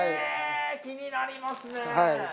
気になりますね。